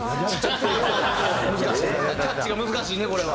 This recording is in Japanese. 難しいタッチが難しいねこれは。